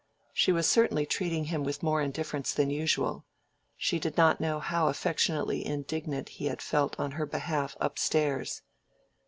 She was certainly treating him with more indifference than usual: she did not know how affectionately indignant he had felt on her behalf up stairs.